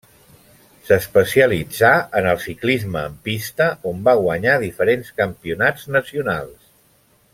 S'especialitzà en el ciclisme en pista, on va guanyar diferents campionats nacionals.